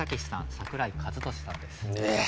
櫻井和寿さんです。